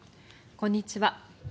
こんにちは。